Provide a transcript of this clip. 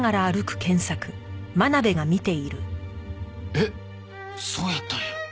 えっそうやったんや。